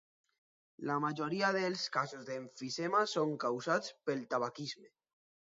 La majoria dels casos d'emfisema són causats pel tabaquisme.